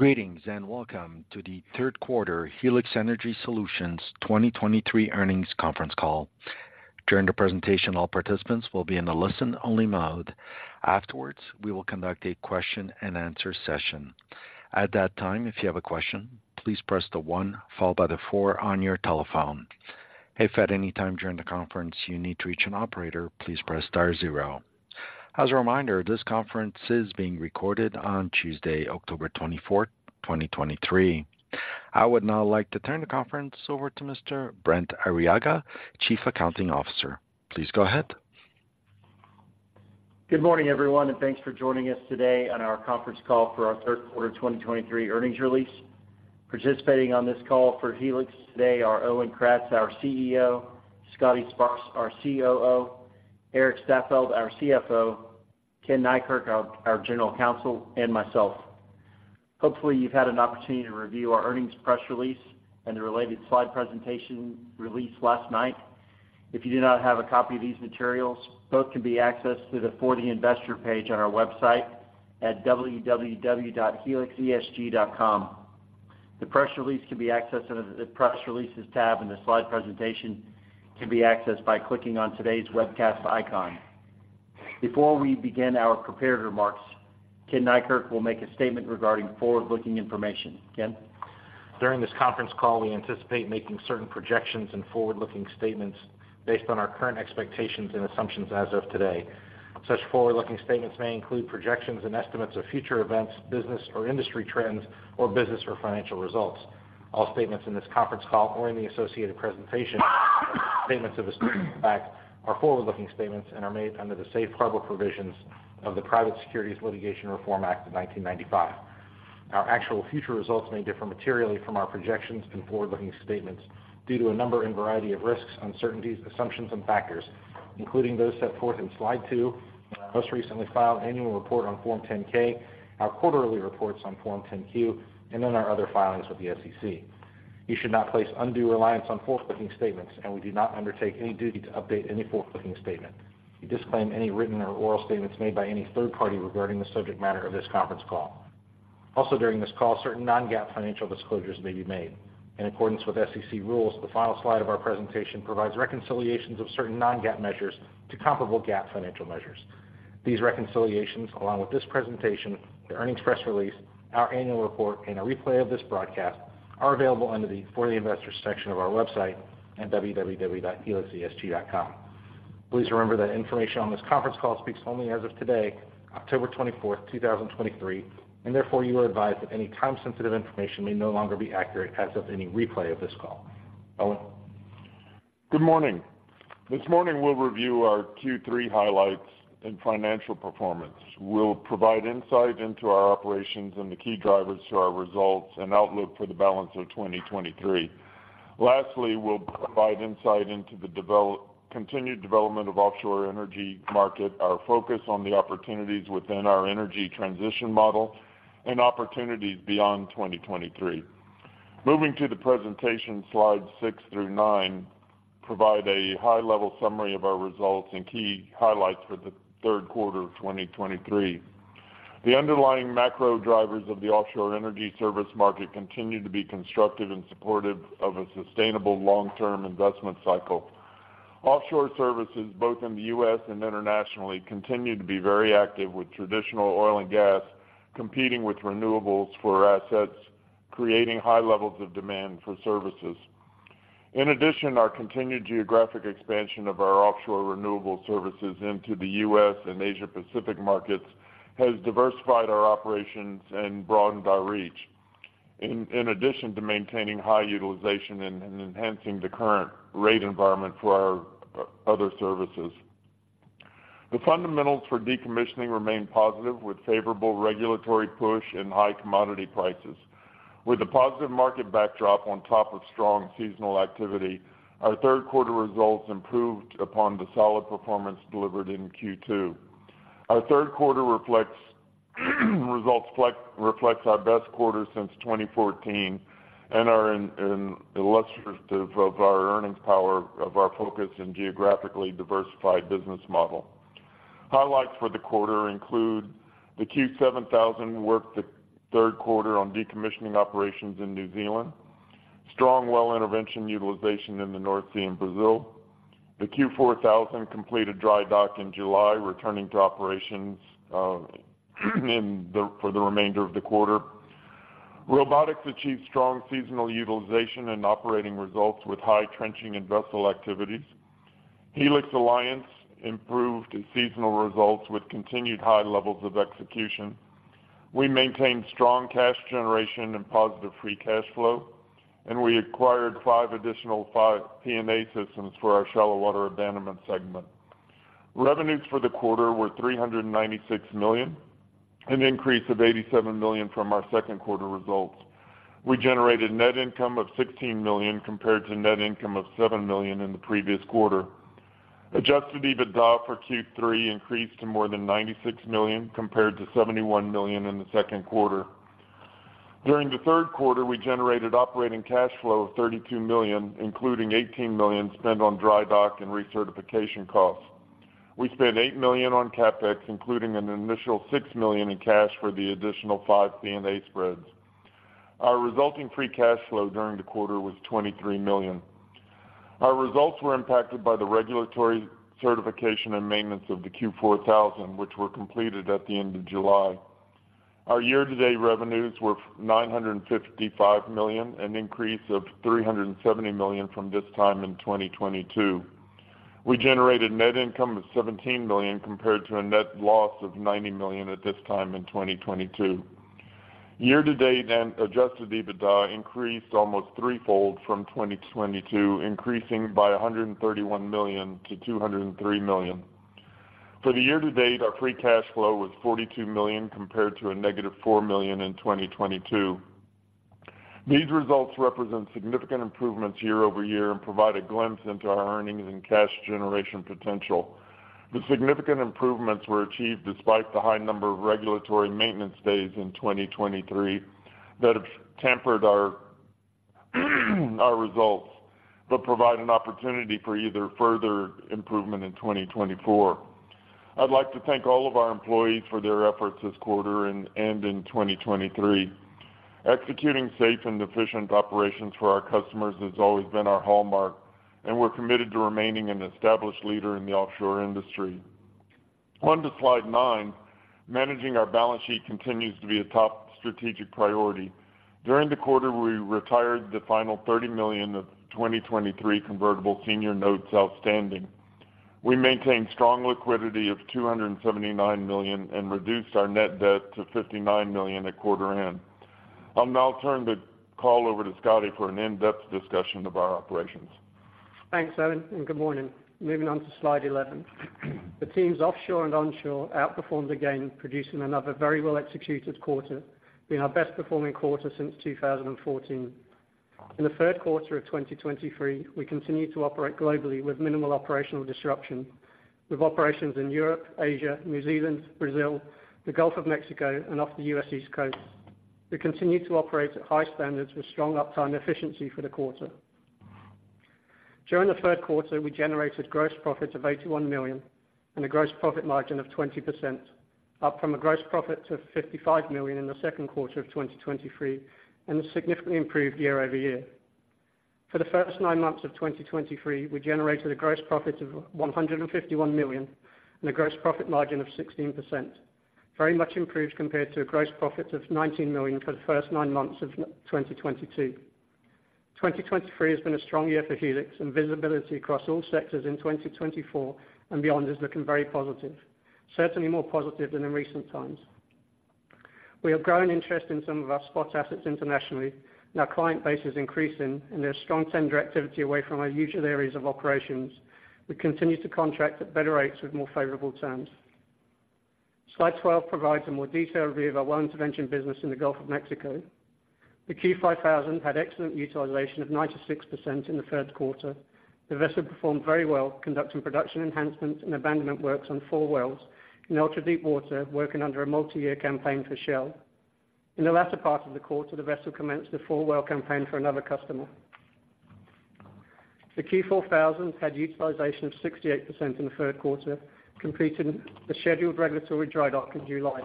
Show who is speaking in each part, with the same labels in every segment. Speaker 1: Greetings, and welcome to the third quarter Helix Energy Solutions 2023 Earnings Conference Call. During the presentation, all participants will be in a listen-only mode. Afterwards, we will conduct a question-and-answer session. At that time, if you have a question, please press the 1 followed by the 4 on your telephone. If at any time during the conference you need to reach an operator, please press star zero. As a reminder, this conference is being recorded on Tuesday, October 24, 2023. I would now like to turn the conference over to Mr. Brent Arriaga, Chief Accounting Officer. Please go ahead.
Speaker 2: Good morning, everyone, and thanks for joining us today on our conference call for our third quarter 2023 earnings release. Participating on this call for Helix today are Owen Kratz, our CEO; Scotty Sparks, our COO; Erik Staffeldt, our CFO; Ken Neikirk, our General Counsel; and myself. Hopefully, you've had an opportunity to review our earnings press release and the related slide presentation released last night. If you do not have a copy of these materials, both can be accessed through the For The Investor page on our website at www.helixesg.com. The press release can be accessed under the Press Releases tab, and the slide presentation can be accessed by clicking on today's webcast icon. Before we begin our prepared remarks, Ken Neikirk will make a statement regarding forward-looking information. Ken?
Speaker 3: During this conference call, we anticipate making certain projections and forward-looking statements based on our current expectations and assumptions as of today. Such forward-looking statements may include projections and estimates of future events, business or industry trends, or business or financial results. All statements in this conference call or in the associated presentation, statements of fact are forward-looking statements and are made under the safe harbor provisions of the Private Securities Litigation Reform Act of 1995. Our actual future results may differ materially from our projections and forward-looking statements due to a number and variety of risks, uncertainties, assumptions, and factors, including those set forth in Slide 2, in our most recently filed annual report on Form 10-K, our quarterly reports on Form 10-Q, and in our other filings with the SEC. You should not place undue reliance on forward-looking statements, and we do not undertake any duty to update any forward-looking statement. We disclaim any written or oral statements made by any third party regarding the subject matter of this conference call. Also, during this call, certain non-GAAP financial disclosures may be made. In accordance with SEC rules, the final slide of our presentation provides reconciliations of certain non-GAAP measures to comparable GAAP financial measures. These reconciliations, along with this presentation, the earnings press release, our annual report, and a replay of this broadcast, are available under the For The Investors section of our website at www.helixesg.com. Please remember that information on this conference call speaks only as of today, October twenty-fourth, two thousand twenty-three, and therefore you are advised that any time-sensitive information may no longer be accurate as of any replay of this call. Owen?
Speaker 4: Good morning. This morning, we'll review our Q3 highlights and financial performance. We'll provide insight into our operations and the key drivers to our results and outlook for the balance of 2023. Lastly, we'll provide insight into the continued development of offshore energy market, our focus on the opportunities within our energy transition model, and opportunities beyond 2023. Moving to the presentation, slides 6 through 9 provide a high-level summary of our results and key highlights for the third quarter of 2023. The underlying macro drivers of the offshore energy service market continue to be constructive and supportive of a sustainable long-term investment cycle. Offshore services, both in the U.S. and internationally, continue to be very active, with traditional oil and gas competing with renewables for assets, creating high levels of demand for services. In addition, our continued geographic expansion of our offshore renewable services into the U.S. and Asia Pacific markets has diversified our operations and broadened our reach, in addition to maintaining high utilization and enhancing the current rate environment for our other services. The fundamentals for decommissioning remain positive, with favorable regulatory push and high commodity prices. With a positive market backdrop on top of strong seasonal activity, our third quarter results improved upon the solid performance delivered in Q2. Our third quarter results reflect our best quarter since 2014 and are illustrative of our earnings power, of our focus in geographically diversified business model. Highlights for the quarter include the Q7000 worked the third quarter on decommissioning operations in New Zealand, strong well intervention utilization in the North Sea in Brazil. The Q4000 completed dry dock in July, returning to operations for the remainder of the quarter. Robotics achieved strong seasonal utilization and operating results with high trenching and vessel activities. Helix Alliance improved seasonal results with continued high levels of execution. We maintained strong cash generation and positive free cash flow, and we acquired five additional P&A systems for our Shallow Water Abandonment segment. Revenues for the quarter were $396 million, an increase of $87 million from our second quarter results. We generated net income of $16 million, compared to net income of $7 million in the previous quarter. Adjusted EBITDA for Q3 increased to more than $96 million, compared to $71 million in the second quarter. During the third quarter, we generated operating cash flow of $32 million, including $18 million spent on dry dock and recertification costs. We spent $8 million on CapEx, including an initial $6 million in cash for the additional five P&A spreads. Our resulting free cash flow during the quarter was $23 million. Our results were impacted by the regulatory certification and maintenance of the Q4000, which were completed at the end of July. Our year-to-date revenues were $955 million, an increase of $370 million from this time in 2022. We generated net income of $17 million, compared to a net loss of $90 million at this time in 2022. Year-to-date Adjusted EBITDA increased almost threefold from 2022, increasing by $131 million to $203 million. For the year-to-date, our free cash flow was $42 million, compared to a negative $4 million in 2022. These results represent significant improvements year-over-year and provide a glimpse into our earnings and cash generation potential. The significant improvements were achieved despite the high number of regulatory maintenance days in 2023 that have tempered our results, but provide an opportunity for either further improvement in 2024. I'd like to thank all of our employees for their efforts this quarter and in 2023. Executing safe and efficient operations for our customers has always been our hallmark, and we're committed to remaining an established leader in the offshore industry. On to Slide 9. Managing our balance sheet continues to be a top strategic priority. During the quarter, we retired the final $30 million of 2023 convertible senior notes outstanding. We maintained strong liquidity of $279 million and reduced our net debt to $59 million at quarter end. I'll now turn the call over to Scotty for an in-depth discussion of our operations.
Speaker 5: Thanks, Owen, and good morning. Moving on to Slide 11. The teams offshore and onshore outperformed again, producing another very well-executed quarter, being our best performing quarter since 2014. In the third quarter of 2023, we continued to operate globally with minimal operational disruption, with operations in Europe, Asia, New Zealand, Brazil, the Gulf of Mexico, and off the U.S. East Coast. We continued to operate at high standards with strong uptime efficiency for the quarter. During the third quarter, we generated gross profits of $81 million and a gross profit margin of 20%, up from a gross profit of $55 million in the second quarter of 2023, and significantly improved year-over-year. For the first nine months of 2023, we generated a gross profit of $151 million and a gross profit margin of 16%, very much improved compared to a gross profit of $19 million for the first nine months of 2022. 2023 has been a strong year for Helix, and visibility across all sectors in 2024 and beyond is looking very positive, certainly more positive than in recent times. We have growing interest in some of our spot assets internationally, and our client base is increasing, and there's strong tender activity away from our usual areas of operations. We continue to contract at better rates with more favorable terms. Slide 12 provides a more detailed view of our Well Intervention business in the Gulf of Mexico. The Q5000 had excellent utilization of 96% in the third quarter. The vessel performed very well, conducting production enhancements and abandonment works on 4 wells in ultra-deep water, working under a multi-year campaign for Shell. In the latter part of the quarter, the vessel commenced a 4-well campaign for another customer. The Q4000 had utilization of 68% in the third quarter, completing a scheduled regulatory dry dock in July.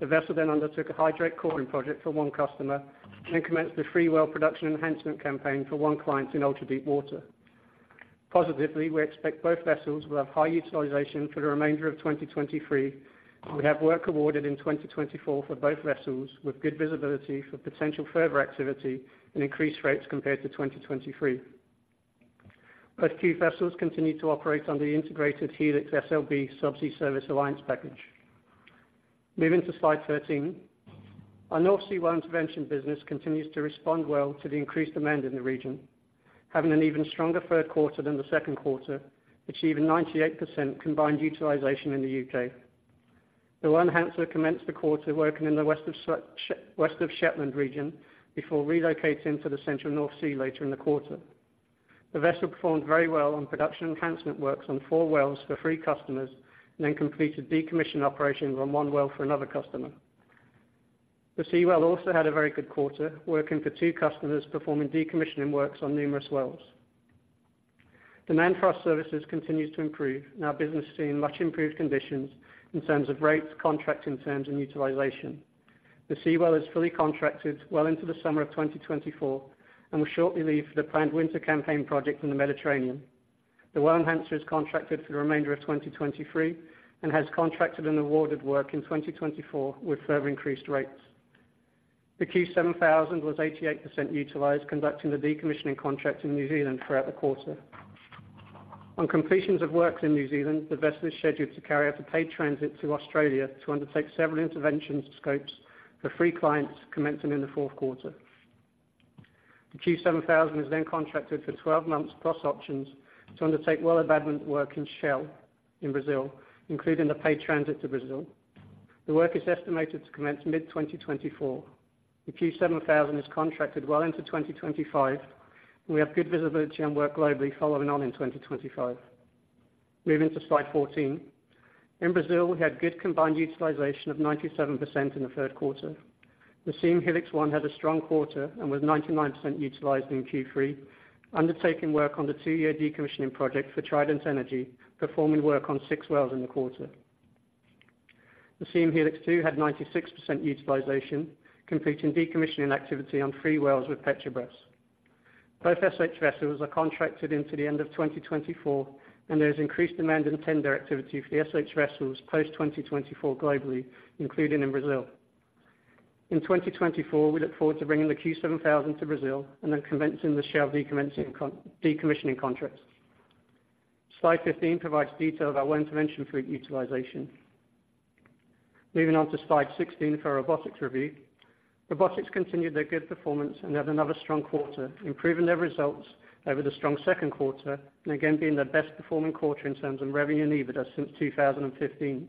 Speaker 5: The vessel then undertook a hydrate coring project for one customer and then commenced a 3-well production enhancement campaign for one client in ultra-deep water. Positively, we expect both vessels will have high utilization for the remainder of 2023. We have work awarded in 2024 for both vessels, with good visibility for potential further activity and increased rates compared to 2023. Both Q vessels continue to operate under the integrated Helix SLB Subsea Services Alliance package. Moving to Slide 13. Our North Sea Well Intervention business continues to respond well to the increased demand in the region, having an even stronger third quarter than the second quarter, achieving 98% combined utilization in the UK. The Well Enhancer commenced the quarter working in the West of Shetland region before relocating to the central North Sea later in the quarter. The vessel performed very well on production enhancement works on four wells for three customers and then completed decommissioning operations on one well for another customer. The Seawell also had a very good quarter, working for two customers, performing decommissioning works on numerous wells. Demand for our services continues to improve, and our business is seeing much improved conditions in terms of rates, contracting terms, and utilization. The Seawell is fully contracted well into the summer of 2024 and will shortly leave for the planned winter campaign project in the Mediterranean. The Well Enhancer is contracted for the remainder of 2023 and has contracted and awarded work in 2024, with further increased rates. The Q7000 was 88% utilized, conducting the decommissioning contract in New Zealand throughout the quarter. On completions of works in New Zealand, the vessel is scheduled to carry out a paid transit to Australia to undertake several intervention scopes for three clients, commencing in the fourth quarter. The Q7000 is then contracted for 12 months plus options to undertake well abandonment work in Shell in Brazil, including the paid transit to Brazil. The work is estimated to commence mid-2024. The Q7000 is contracted well into 2025, and we have good visibility on work globally following on in 2025. Moving to Slide 14. In Brazil, we had good combined utilization of 97% in the third quarter. The Siem Helix 1 had a strong quarter and was 99% utilized in Q3, undertaking work on the 2-year decommissioning project for Trident Energy, performing work on 6 wells in the quarter. The Siem Helix 2 had 96% utilization, completing decommissioning activity on 3 wells with Petrobras. Both SH vessels are contracted into the end of 2024, and there's increased demand in tender activity for the SH vessels post-2024 globally, including in Brazil. In 2024, we look forward to bringing the Q7000 to Brazil and then commencing the Shell decommissioning contract. Slide 15 provides detail of our well intervention fleet utilization. Moving on to Slide 16 for our robotics review. Robotics continued their good performance and had another strong quarter, improving their results over the strong second quarter and again, being their best performing quarter in terms of revenue and EBITDA since 2015.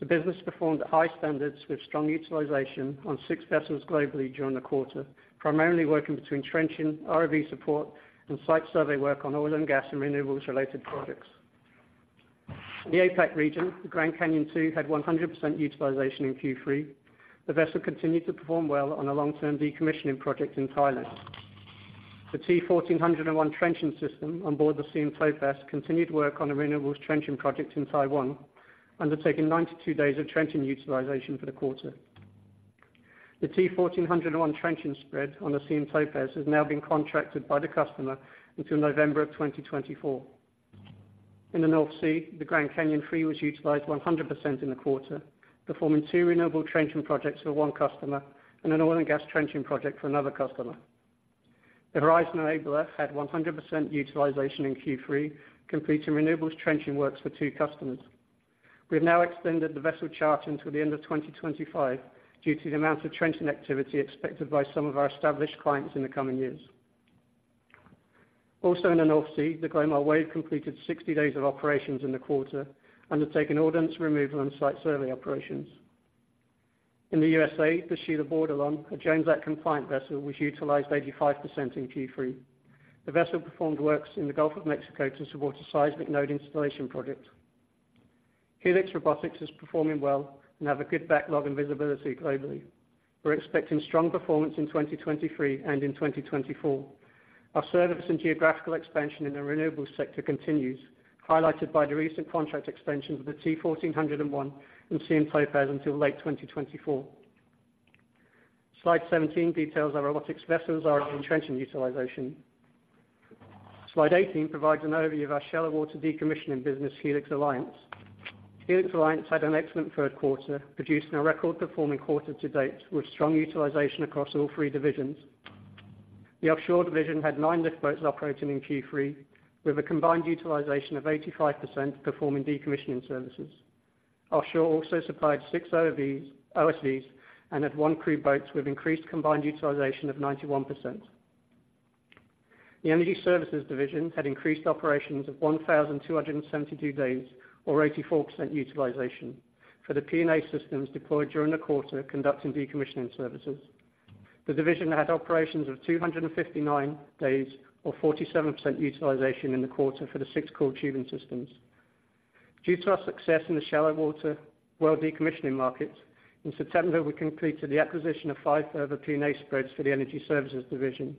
Speaker 5: The business performed at high standards with strong utilization on six vessels globally during the quarter, primarily working between trenching, ROV support, and site survey work on oil and gas and renewables related projects. In the APAC region, the Grand Canyon II had 100% utilization in Q3. The vessel continued to perform well on a long-term decommissioning project in Thailand. The T1400 trenching system on board the Siem Topaz continued work on a renewables trenching project in Taiwan, undertaking 92 days of trenching utilization for the quarter. The T1400 trenching spread on the Siem Topaz has now been contracted by the customer until November of 2024. In the North Sea, the Grand Canyon III was utilized 100% in the quarter, performing two renewable trenching projects for one customer and an oil and gas trenching project for another customer. The Horizon Enabler had 100% utilization in Q3, completing renewables trenching works for two customers. We've now extended the vessel charter until the end of 2025, due to the amount of trenching activity expected by some of our established clients in the coming years. Also, in the North Sea, the Glomar Wave completed 60 days of operations in the quarter, undertaking ordnance removal and site survey operations. In the USA, the Shelia Bordelon, a Jones Act compliant vessel, was utilized 85% in Q3. The vessel performed works in the Gulf of Mexico to support a seismic node installation project. Helix Robotics is performing well and have a good backlog and visibility globally. We're expecting strong performance in 2023 and in 2024. Our service and geographical expansion in the renewables sector continues, highlighted by the recent contract extensions of the T1400 and Siem Topaz until late 2024. Slide 17 details our robotics vessels are in trenching utilization. Slide 18 provides an overview of our shallow water decommissioning business, Helix Alliance. Helix Alliance had an excellent third quarter, producing a record-performing quarter to date, with strong utilization across all three divisions. The Offshore Division had nine lift boats operating in Q3, with a combined utilization of 85%, performing decommissioning services. Offshore also supplied six OSVs and had one crew boat, with increased combined utilization of 91%. The Energy Services Division had increased operations of 1,272 days, or 84% utilization, for the P&A systems deployed during the quarter, conducting decommissioning services. The division had operations of 259 days, or 47% utilization in the quarter for the six core tubing systems. Due to our success in the shallow water well decommissioning markets, in September, we completed the acquisition of 5 further P&A spreads for the Energy Services Division,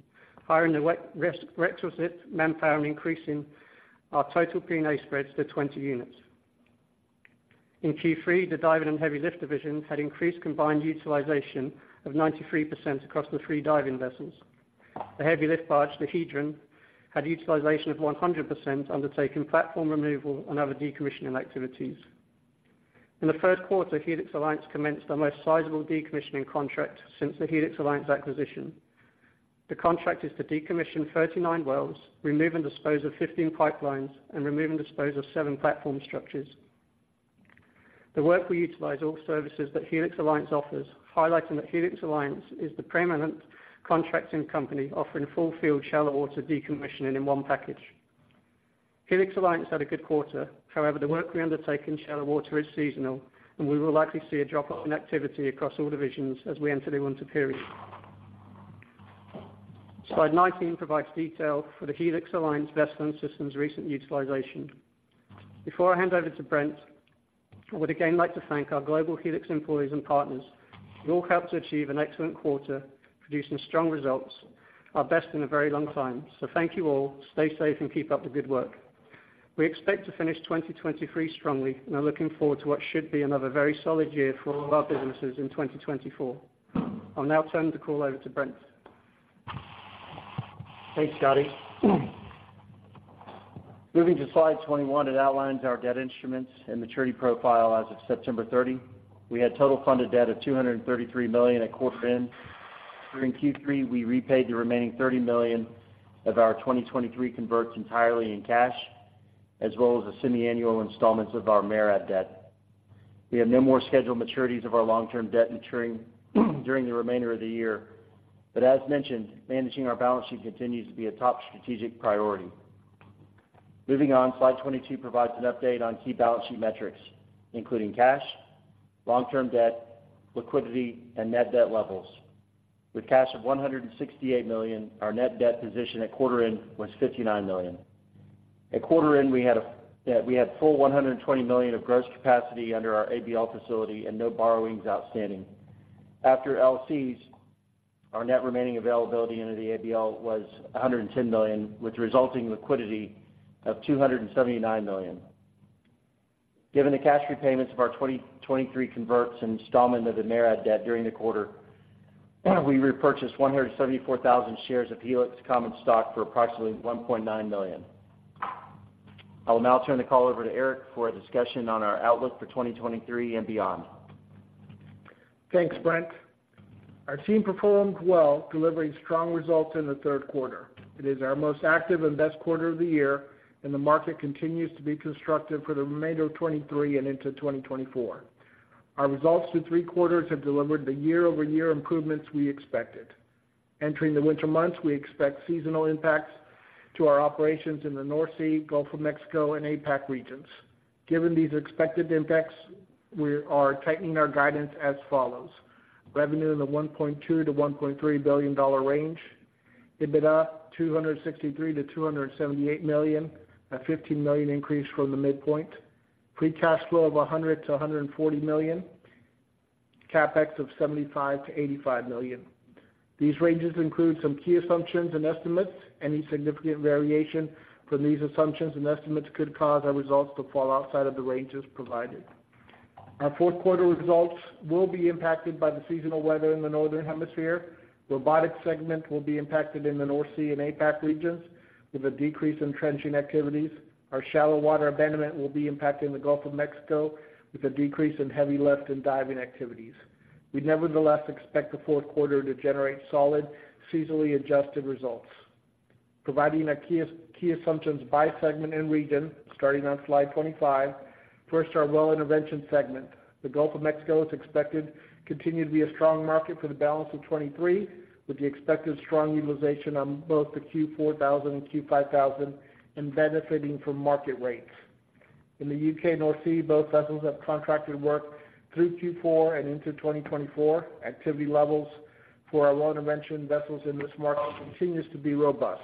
Speaker 5: hiring the required, requisite manpower and increasing our total P&A spreads to 20 units. In Q3, the Diving and Heavy Lift Division had increased combined utilization of 93% across the three diving vessels. The heavy lift barge, the Hedron, had utilization of 100%, undertaking platform removal and other decommissioning activities. In the first quarter, Helix Alliance commenced the most sizable decommissioning contract since the Helix Alliance acquisition. The contract is to decommission 39 wells, remove and dispose of 15 pipelines, and remove and dispose of seven platform structures. The work will utilize all services that Helix Alliance offers, highlighting that Helix Alliance is the preeminent contracting company offering full field shallow water decommissioning in one package. Helix Alliance had a good quarter, however, the work we undertake in shallow water is seasonal, and we will likely see a drop-off in activity across all divisions as we enter the winter period. Slide 19 provides detail for the Helix Alliance vessel and systems recent utilization. Before I hand over to Brent, I would again like to thank our global Helix employees and partners, who all helped to achieve an excellent quarter, producing strong results, our best in a very long time. So thank you all. Stay safe, and keep up the good work. We expect to finish 2023 strongly and are looking forward to what should be another very solid year for all of our businesses in 2024. I'll now turn the call over to Brent.
Speaker 2: Thanks, Scotty. Moving Slide 21, it outlines our debt instruments and maturity profile as of September 30. We had total funded debt of $233 million at quarter end. During Q3, we repaid the remaining $30 million of our 2023 converts entirely in cash, as well as the semiannual installments of our MARAD debt. We have no more scheduled maturities of our long-term debt maturing during the remainder of the year. But as mentioned, managing our balance sheet continues to be a top strategic priority. Moving Slide 22 provides an update on key balance sheet metrics, including cash, long-term debt, liquidity, and net debt levels.... With cash of $168 million, our net debt position at quarter end was $59 million. At quarter end, we had full $120 million of gross capacity under our ABL facility and no borrowings outstanding. After LCs, our net remaining availability under the ABL was $110 million, with resulting liquidity of $279 million. Given the cash repayments of our 2023 converts and installment of the MARAD debt during the quarter, we repurchased 174,000 shares of Helix common stock for approximately $1.9 million. I will now turn the call over to Erik for a discussion on our outlook for 2023 and beyond.
Speaker 6: Thanks, Brent. Our team performed well, delivering strong results in the third quarter. It is our most active and best quarter of the year, and the market continues to be constructive for the remainder of 2023 and into 2024. Our results through three quarters have delivered the year-over-year improvements we expected. Entering the winter months, we expect seasonal impacts to our operations in the North Sea, Gulf of Mexico, and APAC regions. Given these expected impacts, we are tightening our guidance as follows: revenue in the $1.2 billion-$1.3 billion range, EBITDA $263 million-$278 million, a $15 million increase from the midpoint. Free cash flow of $100 million-$140 million, CapEx of $75 million-$85 million. These ranges include some key assumptions and estimates. Any significant variation from these assumptions and estimates could cause our results to fall outside of the ranges provided. Our fourth quarter results will be impacted by the seasonal weather in the Northern Hemisphere. Robotics segment will be impacted in the North Sea and APAC regions, with a decrease in trenching activities. Our shallow water abandonment will be impacted in the Gulf of Mexico, with a decrease in heavy lift and diving activities. We nevertheless expect the fourth quarter to generate solid, seasonally adjusted results. Providing our key, key assumptions by segment and region, starting on Slide 25. First, our Well Intervention segment. The Gulf of Mexico is expected to continue to be a strong market for the balance of 2023, with the expected strong utilization on both the Q4000 and Q5000, and benefiting from market rates. In the UK North Sea, both vessels have contracted work through Q4 and into 2024. Activity levels for our Well Intervention vessels in this market continues to be robust.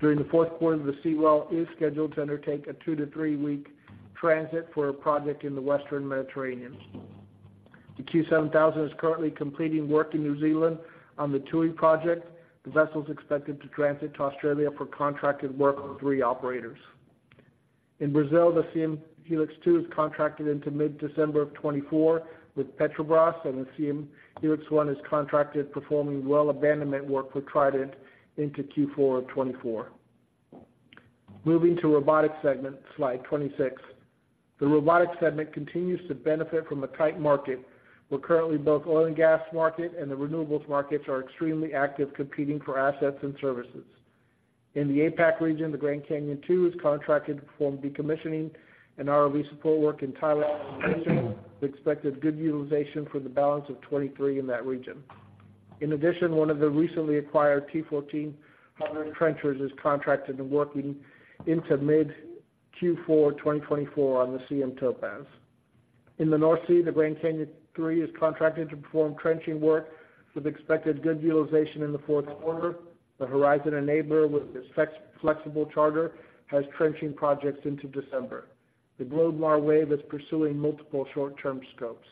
Speaker 6: During the fourth quarter, the Seawell is scheduled to undertake a 2- to 3-week transit for a project in the Western Mediterranean. The Q7000 is currently completing work in New Zealand on the Tui project. The vessel is expected to transit to Australia for contracted work with three operators. In Brazil, the Siem Helix 2 is contracted into mid-December of 2024 with Petrobras, and the Siem Helix 1 is contracted, performing well abandonment work for Trident into Q4 of 2024. Moving to Robotics segment, Slide 26. The Robotics segment continues to benefit from a tight market, where currently both oil and gas market and the renewables markets are extremely active, competing for assets and services. In the APAC region, the Grand Canyon II is contracted to perform decommissioning and ROV support work in Thailand, with expected good utilization for the balance of 2023 in that region. In addition, one of the recently acquired T1400 trenchers is contracted and working into mid-Q4 2024 on the Siem Topaz. In the North Sea, the Grand Canyon III is contracted to perform trenching work with expected good utilization in the fourth quarter. The Horizon Enabler, with its flexible charter, has trenching projects into December. The Glomar Wave is pursuing multiple short-term scopes.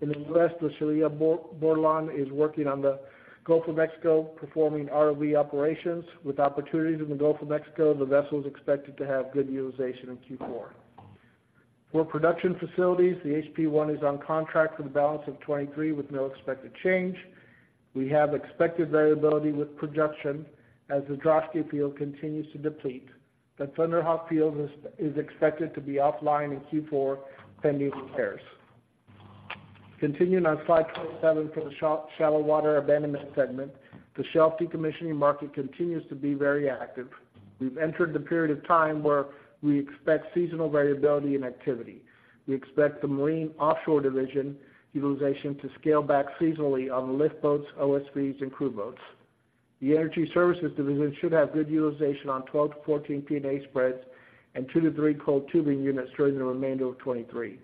Speaker 6: In the U.S., the Shelia Bordelon is working on the Gulf of Mexico, performing ROV operations. With opportunities in the Gulf of Mexico, the vessel is expected to have good utilization in Q4. For production facilities, the HP I is on contract for the balance of 2023, with no expected change. We have expected variability with projection as the Droshky field continues to deplete. The Thunder Hawk field is expected to be offline in Q4, pending repairs. Continuing on Slide 27, for the Shallow Water Abandonment segment, the shelf decommissioning market continues to be very active. We've entered the period of time where we expect seasonal variability and activity. We expect the marine Offshore Division utilization to scale back seasonally on lift boats, OSVs, and crew boats. The Energy Services Division should have good utilization on 12-14 P&A spreads and 2-3 coiled tubing units during the remainder of 2023.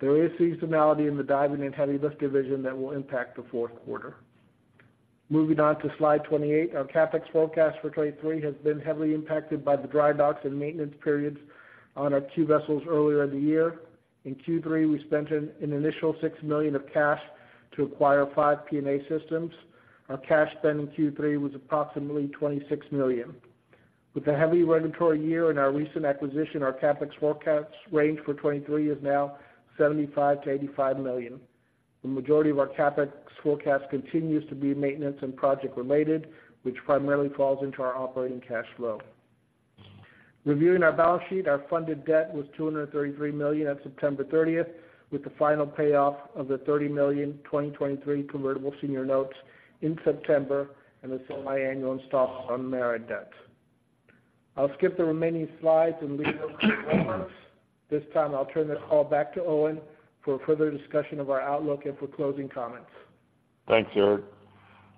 Speaker 6: There is seasonality in the Diving and Heavy Lift Division that will impact the fourth quarter. Moving on to Slide 28. Our CapEx forecast for 2023 has been heavily impacted by the dry docks and maintenance periods on our Q vessels earlier in the year. In Q3, we spent an initial $6 million of cash to acquire five P&A systems. Our cash spend in Q3 was approximately $26 million. With a heavy regulatory year and our recent acquisition, our CapEx forecast range for 2023 is now $75 million-$85 million. The majority of our CapEx forecast continues to be maintenance and project-related, which primarily falls into our operating cash flow. Reviewing our balance sheet, our funded debt was $233 million on September thirtieth, with the final payoff of the $30 million 2023 convertible senior notes in September and the semiannual installment on MARAD debt. I'll skip the remaining slides and leave it this time. I'll turn this call back to Owen for further discussion of our outlook and for closing comments.
Speaker 4: Thanks, Erik.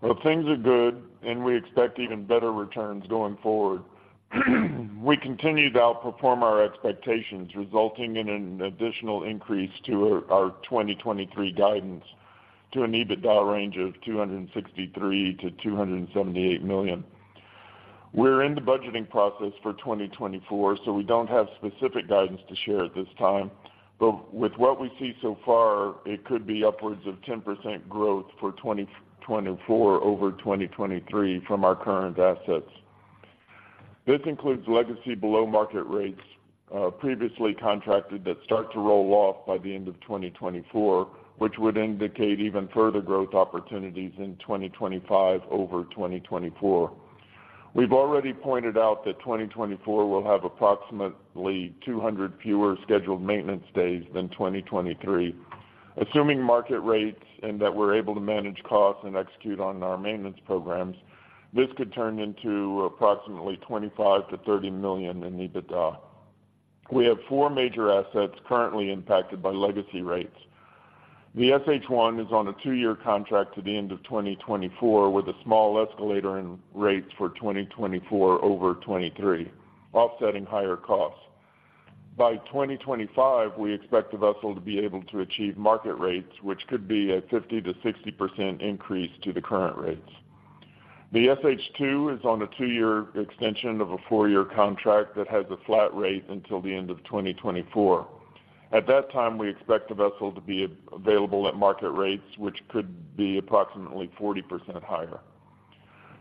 Speaker 4: Well, things are good, and we expect even better returns going forward. We continue to outperform our expectations, resulting in an additional increase to our 2023 guidance to an EBITDA range of $263 million-$278 million. We're in the budgeting process for 2024, so we don't have specific guidance to share at this time, but with what we see so far, it could be upwards of 10% growth for 2024 over 2023 from our current assets. This includes legacy below-market rates, previously contracted that start to roll off by the end of 2024, which would indicate even further growth opportunities in 2025 over 2024. We've already pointed out that 2024 will have approximately 200 fewer scheduled maintenance days than 2023. Assuming market rates and that we're able to manage costs and execute on our maintenance programs, this could turn into approximately $25 million-$30 million in EBITDA. We have four major assets currently impacted by legacy rates. The SH-1 is on a two-year contract to the end of 2024, with a small escalator in rates for 2024 over 2023, offsetting higher costs. By 2025, we expect the vessel to be able to achieve market rates, which could be a 50%-60% increase to the current rates. The SH-2 is on a two-year extension of a four-year contract that has a flat rate until the end of 2024. At that time, we expect the vessel to be available at market rates, which could be approximately 40% higher.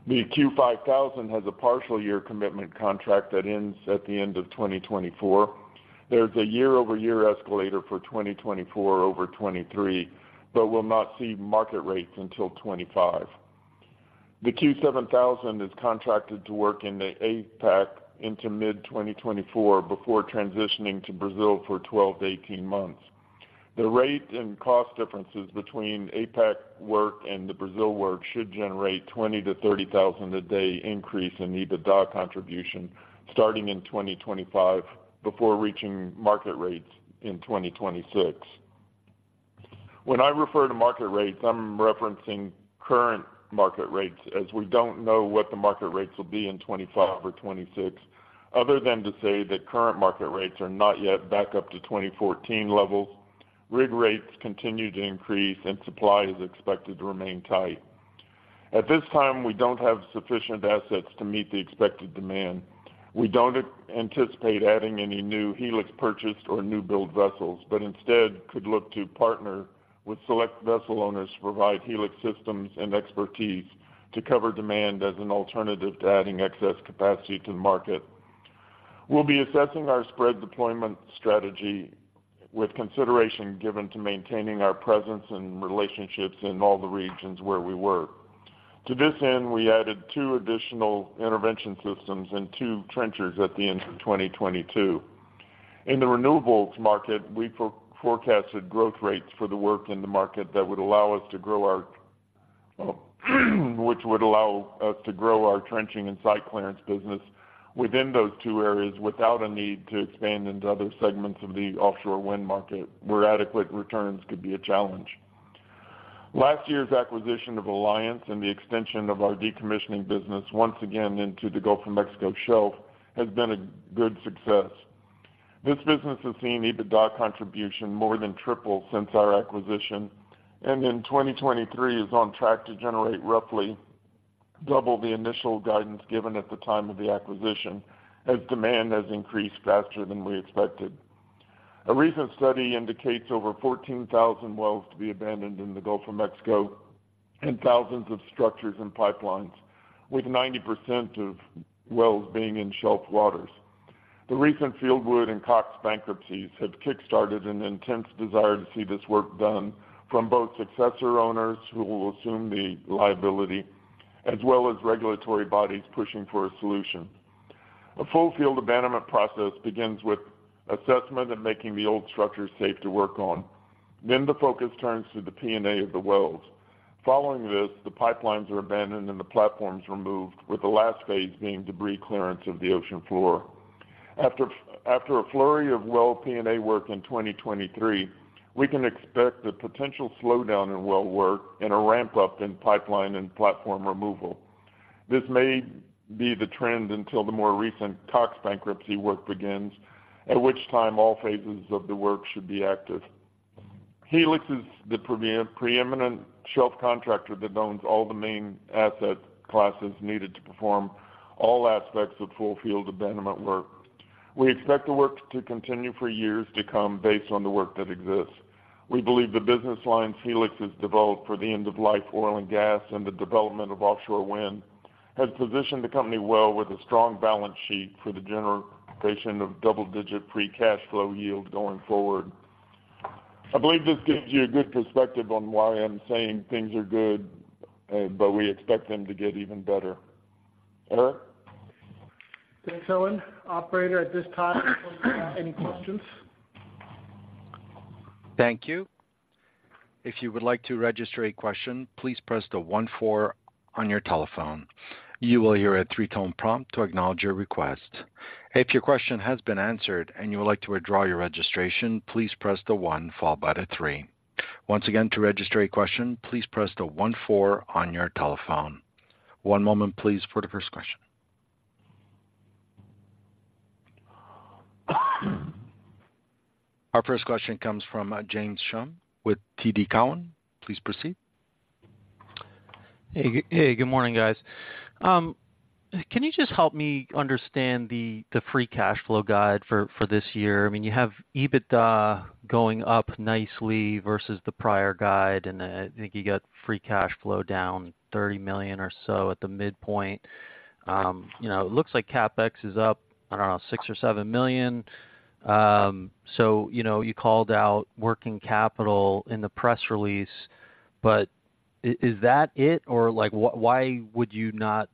Speaker 4: The Q5000 has a partial year commitment contract that ends at the end of 2024. There's a year-over-year escalator for 2024 over 2023, but will not see market rates until 2025. The Q7000 is contracted to work in the APAC into mid-2024 before transitioning to Brazil for 12-18 months. The rate and cost differences between APAC work and the Brazil work should generate $20,000-$30,000 a day increase in EBITDA contribution starting in 2025, before reaching market rates in 2026. When I refer to market rates, I'm referencing current market rates, as we don't know what the market rates will be in 2025 or 2026, other than to say that current market rates are not yet back up to 2014 levels. Rig rates continue to increase, and supply is expected to remain tight. At this time, we don't have sufficient assets to meet the expected demand. We don't anticipate adding any new Helix-purchased or new-build vessels, but instead could look to partner with select vessel owners to provide Helix systems and expertise to cover demand as an alternative to adding excess capacity to the market. We'll be assessing our spread deployment strategy with consideration given to maintaining our presence and relationships in all the regions where we work. To this end, we added two additional intervention systems and two trenchers at the end of 2022. In the renewables market, we forecasted growth rates for the work in the market that would allow us to grow our trenching and site clearance business within those two areas, without a need to expand into other segments of the offshore wind market, where adequate returns could be a challenge. Last year's acquisition of Alliance and the extension of our decommissioning business once again into the Gulf of Mexico Shelf has been a good success. This business has seen EBITDA contribution more than triple since our acquisition, and in 2023, is on track to generate roughly double the initial guidance given at the time of the acquisition, as demand has increased faster than we expected. A recent study indicates over 14,000 wells to be abandoned in the Gulf of Mexico, and thousands of structures and pipelines, with 90% of wells being in shelf waters. The recent Fieldwood and Cox bankruptcies have kickstarted an intense desire to see this work done from both successor owners, who will assume the liability, as well as regulatory bodies pushing for a solution. A full field abandonment process begins with assessment and making the old structures safe to work on. Then, the focus turns to the P&A of the wells. Following this, the pipelines are abandoned and the platforms removed, with the last phase being debris clearance of the ocean floor. After a flurry of well P&A work in 2023, we can expect a potential slowdown in well work and a ramp-up in pipeline and platform removal. This may be the trend until the more recent Cox bankruptcy work begins, at which time all phases of the work should be active. Helix is the preeminent shelf contractor that owns all the main asset classes needed to perform all aspects of full field abandonment work. We expect the work to continue for years to come based on the work that exists. We believe the business lines Helix has developed for the end-of-life oil and gas, and the development of offshore wind, has positioned the company well with a strong balance sheet for the generation of double-digit free cash flow yield going forward. I believe this gives you a good perspective on why I'm saying things are good, but we expect them to get even better. Erik?
Speaker 6: Thanks, Owen. Operator, at this time, any questions?
Speaker 1: Thank you. If you would like to register a question, please press the one-four on your telephone. You will hear a three-tone prompt to acknowledge your request. If your question has been answered and you would like to withdraw your registration, please press the one followed by the three. Once again, to register a question, please press the one-four on your telephone. One moment please for the first question. Our first question comes from James Schumm with TD Cowen. Please proceed.
Speaker 7: Hey, good morning, guys. Can you just help me understand the free cash flow guide for this year? I mean, you have EBITDA going up nicely versus the prior guide, and I think you got free cash flow down $30 million or so at the midpoint. You know, it looks like CapEx is up, I don't know, $6-$7 million. So, you know, you called out working capital in the press release, but is that it? Or, like, why would you not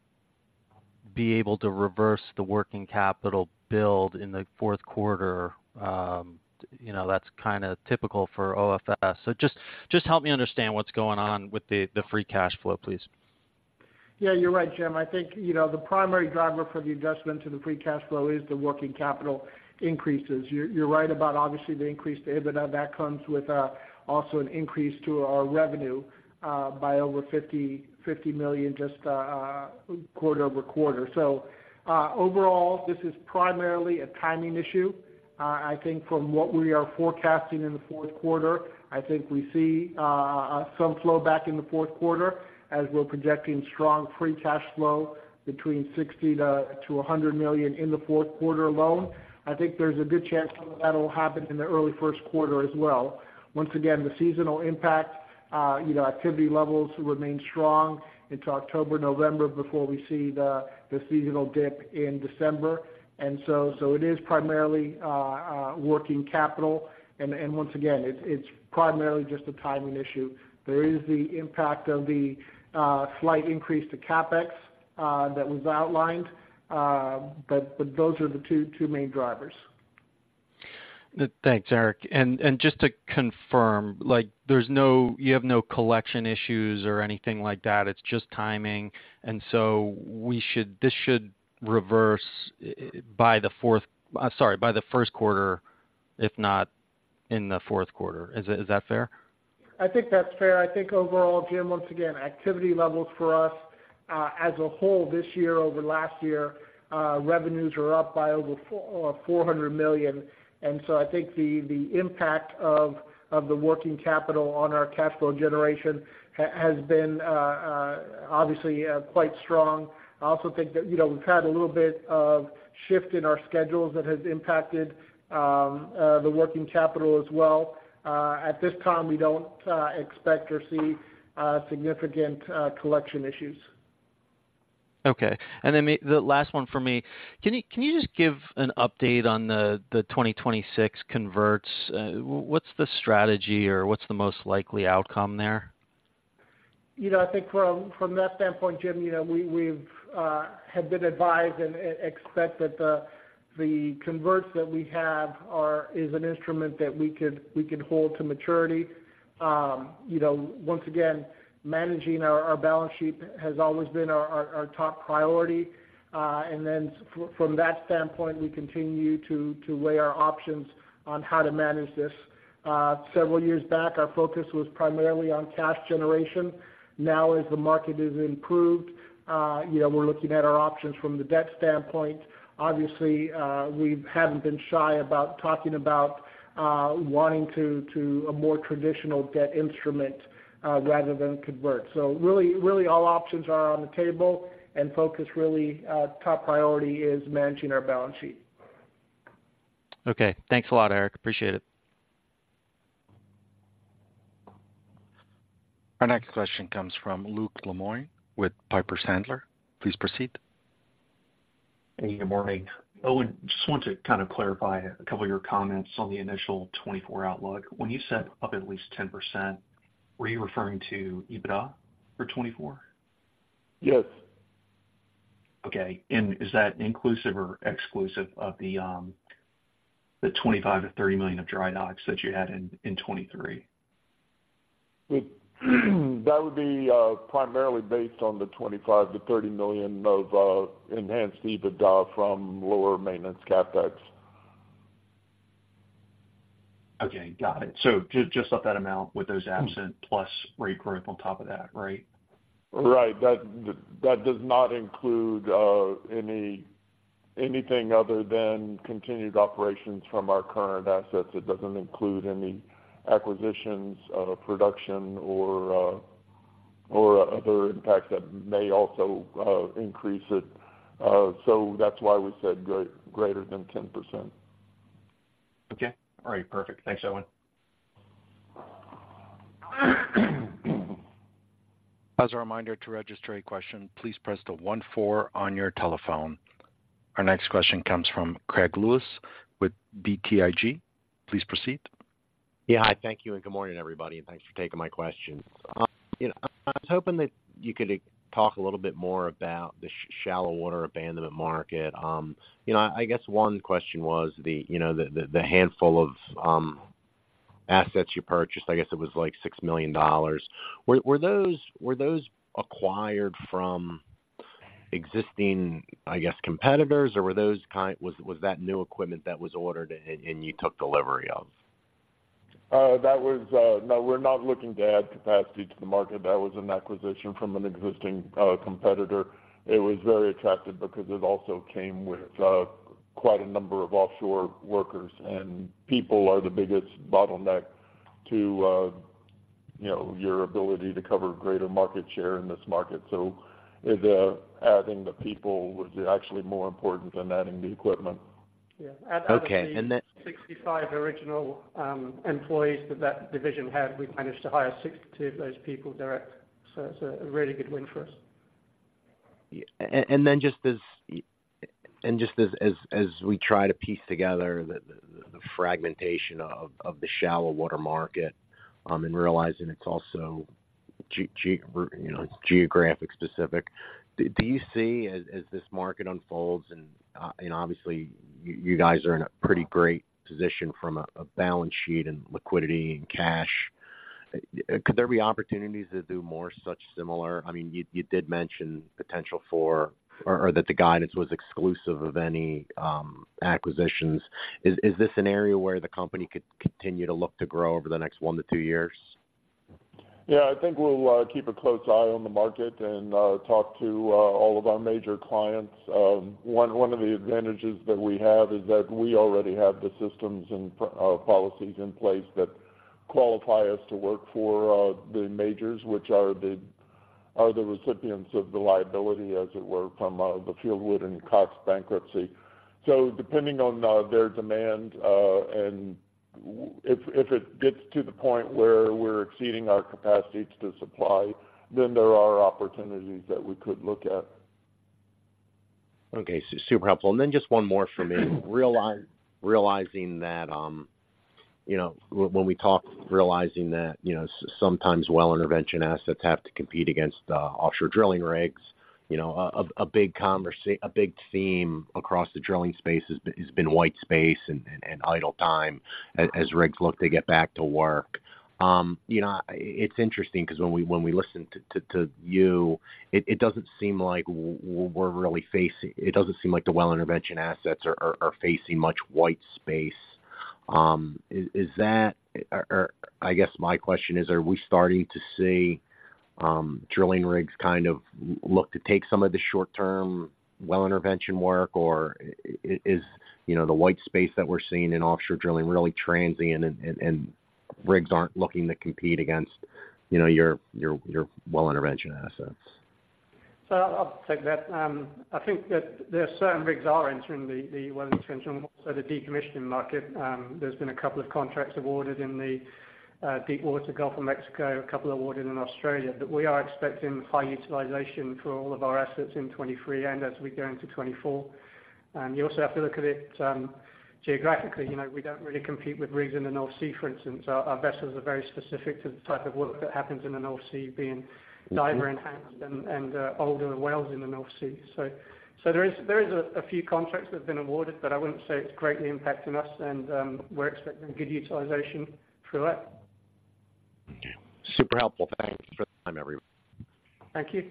Speaker 7: be able to reverse the working capital build in the fourth quarter? You know, that's kind of typical for OFS. So just help me understand what's going on with the free cash flow, please.
Speaker 6: Yeah, you're right, Jim. I think, you know, the primary driver for the adjustment to the free cash flow is the working capital increases. You're, you're right about, obviously, the increased EBITDA. That comes with also an increase to our revenue by over $50 million, just quarter-over-quarter. So, overall, this is primarily a timing issue. I think from what we are forecasting in the fourth quarter, I think we see some flow back in the fourth quarter, as we're projecting strong free cash flow between $60 million-$100 million in the fourth quarter alone. I think there's a good chance that'll happen in the early first quarter as well. Once again, the seasonal impact, you know, activity levels remain strong into October, November before we see the seasonal dip in December. It is primarily working capital. Once again, it's primarily just a timing issue. There is the impact of the slight increase to CapEx that was outlined. But those are the two main drivers.
Speaker 7: Thanks, Erik. And just to confirm, like, there's no—you have no collection issues or anything like that, it's just timing, and so we should—this should reverse by the fourth... Sorry, by the first quarter, if not in the fourth quarter. Is that fair?
Speaker 6: I think that's fair. I think overall, Jim, once again, activity levels for us as a whole this year over last year revenues are up by over $400 million. And so I think the impact of the working capital on our cash flow generation has been obviously quite strong. I also think that, you know, we've had a little bit of shift in our schedules that has impacted the working capital as well. At this time, we don't expect or see significant collection issues.
Speaker 7: Okay. And then the last one for me: Can you, can you just give an update on the 2026 converts? What's the strategy, or what's the most likely outcome there?
Speaker 6: You know, I think from that standpoint, Jim, you know, we have been advised and expect that the converts that we have are an instrument that we could hold to maturity. You know, once again, managing our balance sheet has always been our top priority. And then from that standpoint, we continue to weigh our options on how to manage this. Several years back, our focus was primarily on cash generation. Now, as the market has improved, you know, we're looking at our options from the debt standpoint. Obviously, we haven't been shy about talking about wanting to a more traditional debt instrument rather than convert. So really all options are on the table and focus really top priority is managing our balance sheet.
Speaker 7: Okay. Thanks a lot, Erik. Appreciate it.
Speaker 1: Our next question comes from Luke Lemoine with Piper Sandler. Please proceed.
Speaker 8: Hey, good morning. Owen, just want to kind of clarify a couple of your comments on the initial 2024 outlook. When you said up at least 10%, were you referring to EBITDA for 2024?
Speaker 4: Yes.
Speaker 8: Okay. Is that inclusive or exclusive of the $25 million-$30 million of dry docks that you had in 2023?
Speaker 4: It, that would be, primarily based on the $25 million-$30 million of enhanced EBITDA from lower maintenance CapEx.
Speaker 8: Okay, got it. So just up that amount with those absent plus rate growth on top of that, right?
Speaker 4: Right. That does not include anything other than continued operations from our current assets. It doesn't include any acquisitions, production, or other impacts that may also increase it. So that's why we said greater than 10%.
Speaker 8: Okay. All right, perfect. Thanks, Owen.
Speaker 1: As a reminder, to register a question, please press the 1 4 on your telephone. Our next question comes from Greg Lewis with BTIG. Please proceed.
Speaker 9: Yeah. Hi, thank you, and good morning, everybody, and thanks for taking my question. You know, I was hoping that you could talk a little bit more about the shallow water abandonment market. You know, I guess one question was the handful of assets you purchased, I guess it was like $6 million. Were those acquired from existing competitors, or was that new equipment that was ordered and you took delivery of?
Speaker 4: That was, no, we're not looking to add capacity to the market. That was an acquisition from an existing competitor. It was very attractive because it also came with quite a number of offshore workers, and people are the biggest bottleneck to, you know, your ability to cover greater market share in this market. So the adding the people was actually more important than adding the equipment.
Speaker 5: Yeah.
Speaker 9: Okay, and then-
Speaker 5: 65 original employees that division had, we managed to hire 62 of those people direct, so it's a really good win for us.
Speaker 9: Yeah. And then just as we try to piece together the fragmentation of the shallow water market, and realizing it's also geographic specific, you know, do you see, as this market unfolds, and obviously, you guys are in a pretty great position from a balance sheet and liquidity and cash, could there be opportunities to do more such similar, I mean, you did mention potential for, or that the guidance was exclusive of any acquisitions. Is this an area where the company could continue to look to grow over the next one to two years?
Speaker 4: Yeah, I think we'll keep a close eye on the market and talk to all of our major clients. One of the advantages that we have is that we already have the systems and policies in place that qualify us to work for the majors, which are the recipients of the liability, as it were, from the Fieldwood and Cox bankruptcy. So depending on their demand, and if it gets to the point where we're exceeding our capacity to supply, then there are opportunities that we could look at.
Speaker 9: Okay, super helpful. And then just one more from me. Realizing that, you know, when we talk, realizing that, you know, sometimes well intervention assets have to compete against offshore drilling rigs, you know, a big theme across the drilling space has been white space and idle time as rigs look to get back to work. You know, it's interesting because when we listen to you, it doesn't seem like we're really facing—it doesn't seem like the well intervention assets are facing much white space. Is that... Or, I guess my question is, are we starting to see drilling rigs kind of look to take some of the short-term well intervention work, or is, you know, the white space that we're seeing in offshore drilling really transient, and rigs aren't looking to compete against, you know, your well intervention assets?
Speaker 5: So I'll take that. I think that there are certain rigs entering the well intervention, also the decommissioning market. There's been a couple of contracts awarded in the deepwater Gulf of Mexico, a couple awarded in Australia. But we are expecting high utilization for all of our assets in 2023 and as we go into 2024. And you also have to look at it geographically. You know, we don't really compete with rigs in the North Sea, for instance. Our vessels are very specific to the type of work that happens in the North Sea, being-
Speaker 9: Mm-hmm...
Speaker 5: diver enhanced and older wells in the North Sea. So there is a few contracts that have been awarded, but I wouldn't say it's greatly impacting us and we're expecting good utilization through that.
Speaker 9: Okay. Super helpful. Thanks for the time, everyone.
Speaker 5: Thank you.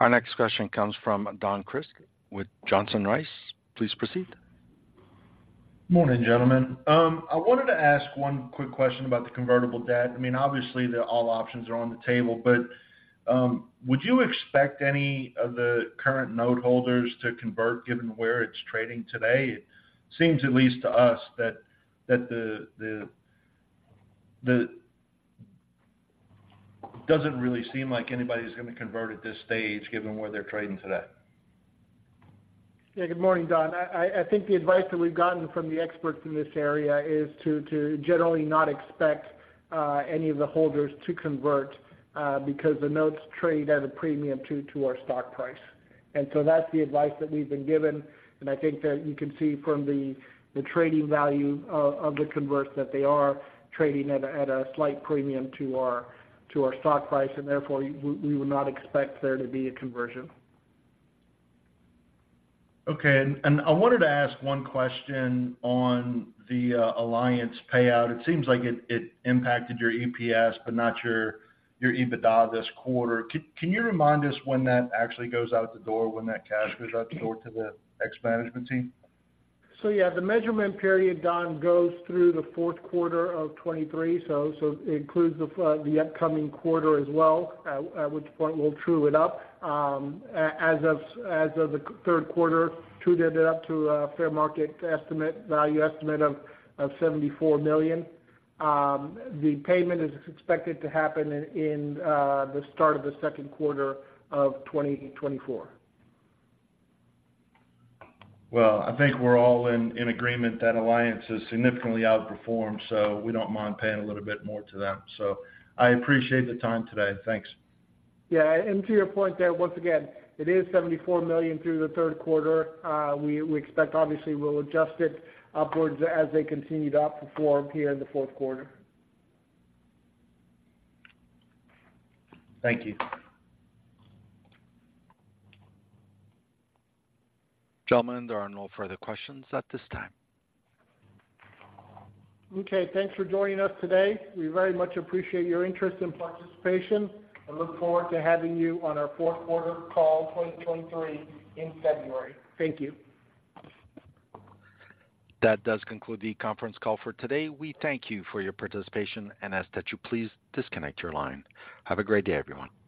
Speaker 1: Our next question comes from Don Crist with Johnson Rice. Please proceed.
Speaker 10: Morning, gentlemen. I wanted to ask one quick question about the convertible debt. I mean, obviously, all options are on the table, but would you expect any of the current note holders to convert, given where it's trading today? It seems, at least to us, that it doesn't really seem like anybody's gonna convert at this stage, given where they're trading today.
Speaker 6: Yeah, good morning, Don. I think the advice that we've gotten from the experts in this area is to generally not expect any of the holders to convert because the notes trade at a premium to our stock price. So that's the advice that we've been given, and I think that you can see from the trading value of the converts that they are trading at a slight premium to our stock price, and therefore, we would not expect there to be a conversion.
Speaker 10: Okay. And I wanted to ask one question on the Alliance payout. It seems like it impacted your EPS, but not your EBITDA this quarter. Can you remind us when that actually goes out the door, when that cash goes out the door to the ex-management team?
Speaker 6: The measurement period, Don, goes through the fourth quarter of 2023, so it includes the upcoming quarter as well, at which point we'll true it up. As of the third quarter, trued it up to a fair market estimate, value estimate of $74 million. The payment is expected to happen in the start of the second quarter of 2024.
Speaker 10: Well, I think we're all in agreement that Alliance has significantly outperformed, so we don't mind paying a little bit more to them. So I appreciate the time today. Thanks.
Speaker 6: Yeah, and to your point there, once again, it is $74 million through the third quarter. We expect obviously we'll adjust it upwards as they continue to outperform here in the fourth quarter.
Speaker 10: Thank you.
Speaker 1: Gentlemen, there are no further questions at this time.
Speaker 6: Okay, thanks for joining us today. We very much appreciate your interest and participation and look forward to having you on our fourth quarter call 2023 in February. Thank you.
Speaker 1: That does conclude the conference call for today. We thank you for your participation and ask that you please disconnect your line. Have a great day, everyone.